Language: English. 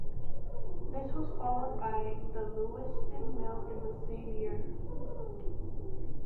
This was followed by the Lewiston Mill in the same year.